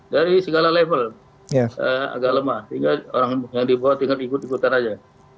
dari segala level agak lemah sehingga orang yang dibawa tinggal ikut ikutan aja